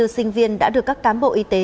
hai mươi sinh viên đã được các cán bộ y tế